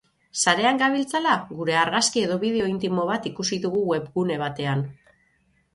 Sarean gabiltzala, gure argazki edo bideo intimo bat ikusi dugu webgune batean.